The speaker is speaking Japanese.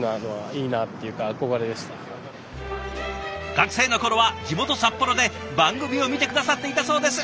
学生の頃は地元札幌で番組を見て下さっていたそうです。